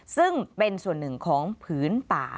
ซึ่งเป็นส่วนหนึ่งของผืนป่า